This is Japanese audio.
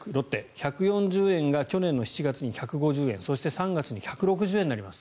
１４０円が去年の７月に１５０円そして３月に１６０円になります。